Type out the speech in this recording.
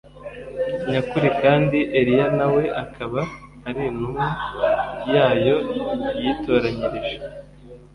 nyakuri kandi Eliya na we akaba ari intumwa yayo yitoranyirije